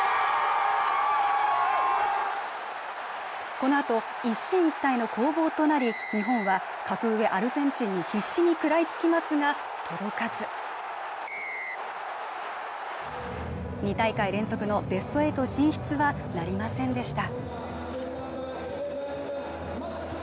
このあと一進一退の攻防となり日本は格上アルゼンチンに必死に食らいつきますが届かず２大会連続のベスト８進出はなりませんでした